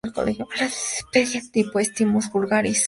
La especie tipo es "Thymus vulgaris L".